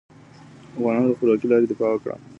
افغانانو د خپلواکې لارې دفاع وکړه.